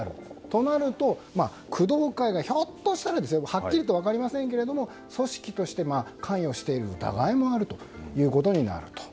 となると工藤会がひょっとしたらはっきりと分かりませんが組織として関与している疑いもあるということになると。